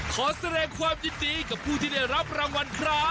ขอแสดงความยินดีกับผู้ที่ได้รับรางวัลครับ